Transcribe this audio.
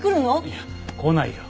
いや来ないよ。